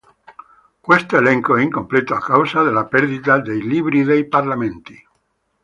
Questo elenco è incompleto a causa della perdita dei Libri dei Parlamenti.